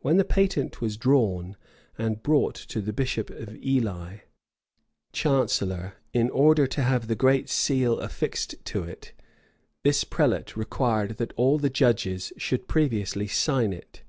When the patent was drawn, and brought to the bishop of Ely, Chancellor, in order to have the great seal affixed to it, this prelate required that all the judges should previously sign it.